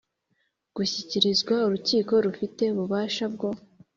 gishyikirizwa urukiko rufite ububasha bwo